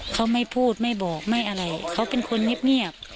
เขาไม่พูดไม่บอกไม่อะไรเขาเป็นคนเงียบ